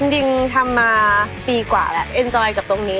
จริงทำมาปีกว่าแล้วเอ็นจอยกับตรงนี้